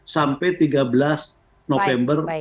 sampai tiga belas november